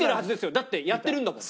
だってやってるんだもん。